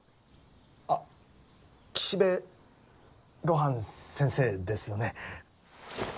あっ岸辺露伴先生ですよね。